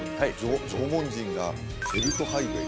縄文人がケルプ・ハイウェイ